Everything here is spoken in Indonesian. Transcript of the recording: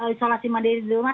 isolasi mandiri di rumah